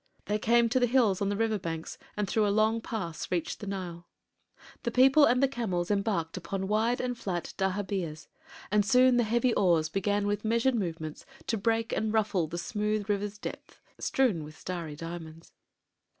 They came to the hills on the river banks and through a long pass reached the Nile. The people and the camels embarked upon wide and flat "dahabeahs," and soon the heavy oars began with measured movements to break and ruffle the smooth river's depth, strewn with starry diamonds.